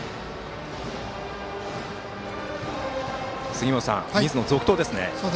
杉本さん、水野が続投ですね。